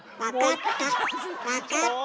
分かった。